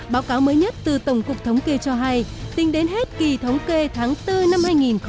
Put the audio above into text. báo cáo mới nhất từ tổng cục thống kê cho hay tính đến hết kỳ thống kê tháng bốn năm hai nghìn một mươi chín